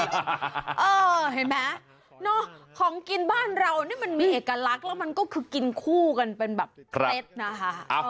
เห็นไหมของกินบ้านเรานี่มันมีเอกลักษณ์แล้วมันก็คือกินคู่กันเป็นแบบเคล็ดนะคะ